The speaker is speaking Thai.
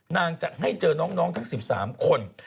นางจะให้เจอน้องทั้ง๑๓คน